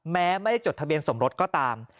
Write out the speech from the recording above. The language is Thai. แม้ไม่ได้จดทะเบียนสมรสก็ตาม